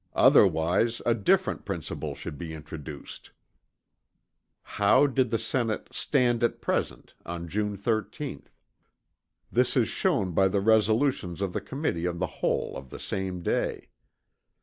Otherwise a different principle should be introduced." How did the Senate "stand at present," on June 13th. This is shown by the resolutions of the Committee of the Whole of the same day.